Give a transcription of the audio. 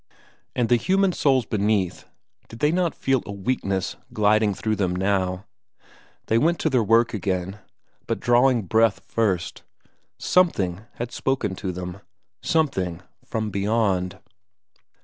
And the human souls beneath, did they not feel a weakness gliding through them now? They went to their work again, but drawing breath first; something had spoken to them, something from beyond.